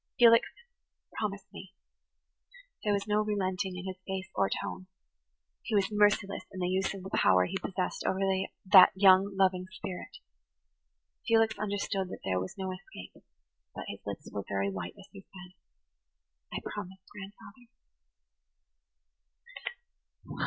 "Felix, promise me." There was no relenting in his face or tone. He was merciless in the use of the power he possessed over that young, loving spirit. Felix understood that there was no escape; but his lips were very white as he said, "I promise, grandfather."